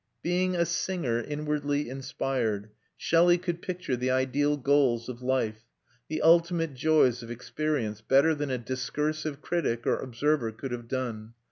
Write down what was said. Being a singer inwardly inspired, Shelley could picture the ideal goals of life, the ultimate joys of experience, better than a discursive critic or observer could have done.